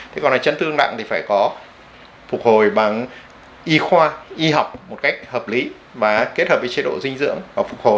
thế còn là chấn thương nặng thì phải có phục hồi bằng y khoa y học một cách hợp lý và kết hợp với chế độ dinh dưỡng và phục hồi